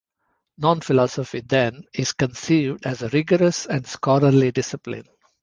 Non-philosophy, then, is conceived as a rigorous and scholarly discipline.